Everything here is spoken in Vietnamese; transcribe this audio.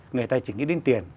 người tài chính đi đến tiền